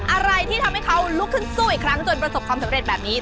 อะไรที่ทำให้เขาลุกขึ้นสู้อีกครั้งจนประสบความสำเร็จแบบนี้